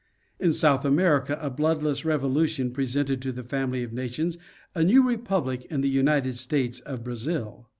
In South America a bloodless revolu tion presented to the family of nations a new republic in the United States of Brazil.